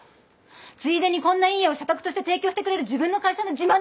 ついでにこんないい家を社宅として提供してくれる自分の会社の自慢でもしたんじゃないの？